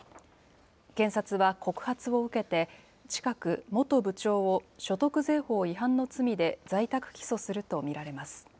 検察は告発を受けて、近く、元部長を所得税法違反の罪で在宅起訴すると見られます。